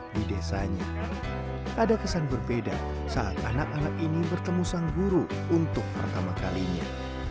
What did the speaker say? di desanya ada kesan berbeda saat anak anak ini bertemu sang guru untuk pertama kalinya